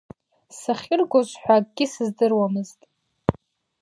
Сахьыргоз ҳәа акгьы сыздыруамызт.